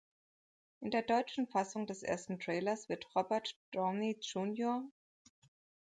In der deutschen Fassung des ersten Trailers wird Robert Downey Jr.